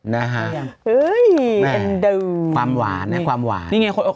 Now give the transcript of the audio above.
นะฮะความหวาน